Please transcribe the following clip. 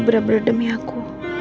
benar benar demi aku